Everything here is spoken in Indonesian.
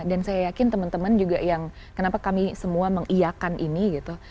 dan saya yakin teman teman juga yang kenapa kami semua mengiyakan ini gitu